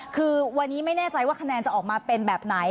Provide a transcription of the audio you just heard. คือวันนี้ไม่แน่ใจว่าคะแนนจะออกมาเป็นแบบไหน